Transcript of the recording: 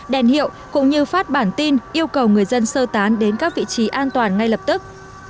đèn hiệu cũng như phát bản tin yêu cầu người dân sơ tán đến các vị trí an toàn ngay lập tức